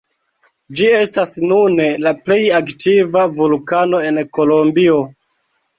Ĝi estas nune la plej aktiva vulkano en Kolombio.